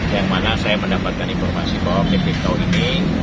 yang mana saya mendapatkan informasi bahwa pt kau ini